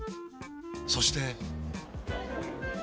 そして。